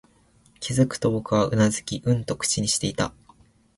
気づくと、僕はうなずき、うんと口にしていた